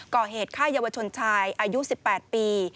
ก่อเหตุฆ่าเยาวชนชายอายุ๑๘ปี